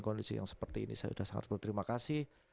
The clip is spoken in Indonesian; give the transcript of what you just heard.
kondisi yang seperti ini saya sudah sangat berterima kasih